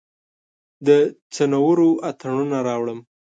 د څنورو اتڼوڼه راوړم